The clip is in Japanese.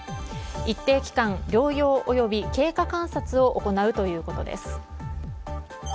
一定期間療養及び経過観察を行うということです。